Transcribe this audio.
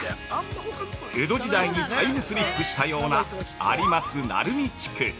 江戸時代にタイムスリップしたような有松・鳴海地区。